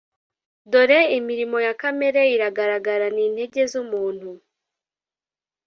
Dore imirimo ya kamere iragaragara ni ntege zumuntu